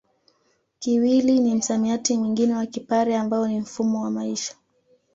Kiwili ni msamiati mwingine wa Kipare ambao ni mfumo wa maisha